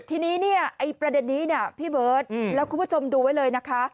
ทีนี้เนี่ยไอ้ประเด็นนี้เนี่ยพี่เบิร์ตแล้วคุณผู้ชมดูไว้เลยนะคะ